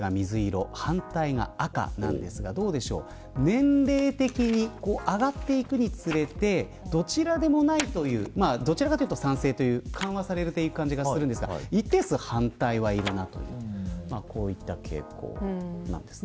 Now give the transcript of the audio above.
年齢的に上がっていくにつれてどちらでもないというどちらかというと賛成という緩和されてる感じがするんですが一定数、反対はいるなというこういった傾向なんですね。